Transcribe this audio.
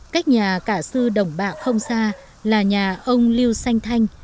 cách nhà cả sư đồng bạc không xa là nhà ông lưu xanh thanh